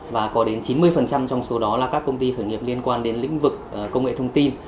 và có đến chín mươi trong số đó là các công ty khởi nghiệp liên quan đến lĩnh vực công nghệ thông tin